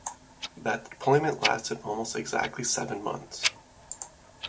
That deployment lasted almost exactly seven months.